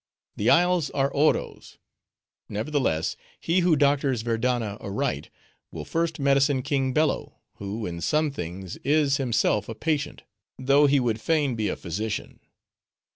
The isles are Oro's. Nevertheless, he who doctors Verdanna aright, will first medicine King Bello; who in some things is, himself a patient, though he would fain be a physician.